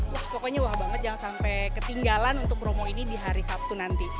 wah pokoknya wah banget jangan sampai ketinggalan untuk promo ini di hari sabtu nanti